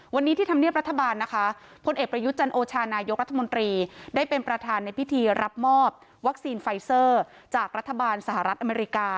วันนี้ที่ธรรมเนียบรัฐบาลนะคะพลเอกประยุทธ์จันโอชานายกรัฐมนตรีได้เป็นประธานในพิธีรับมอบวัคซีนไฟเซอร์จากรัฐบาลสหรัฐอเมริกา